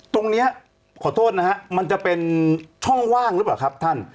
ตรงนี้ขอโทษนะฮะมันจะเป็นช่องว่างหรือเปล่าครับท่าน